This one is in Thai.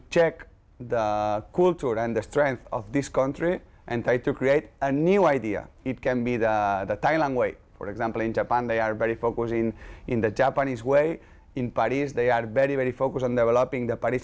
มิเกล่ายังบอกอีกนะครับว่าสิ่งที่ยากที่สุดของการพัฒนาฟุตบอลเยอะวะชน